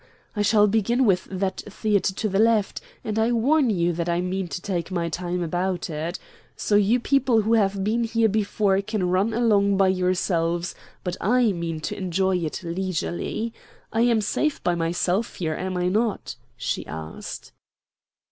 I shall begin with that theatre to the left, and I warn you that I mean to take my time about it. So you people who have been here before can run along by yourselves, but I mean to enjoy it leisurely. I am safe by myself here, am I not?" she asked.